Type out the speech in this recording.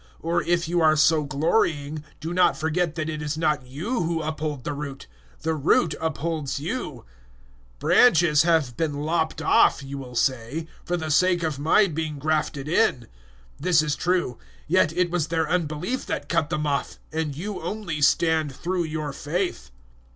Or if you are so glorying, do not forget that it is not you who uphold the root: the root upholds you. 011:019 "Branches have been lopped off," you will say, "for the sake of my being grafted in." 011:020 This is true; yet it was their unbelief that cut them off, and you only stand through your faith.